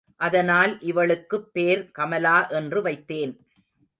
அதனால் இவளுக்குப் பேர் கமலா என்று வைத்தேன்.